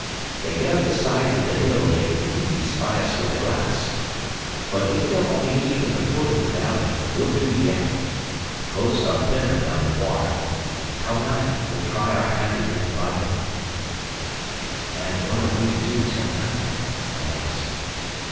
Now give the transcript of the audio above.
If they get up the sides of the hill, they could easy spy us with a glass; but if they'll only keep in the foot of the valley, we'll do yet. The posts are thinner down the water; and, come night, we'll try our hand at getting by them." "And what are we to do till night?" I asked.